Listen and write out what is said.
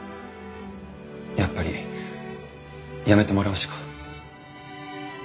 やっぱり辞めてもらうしか。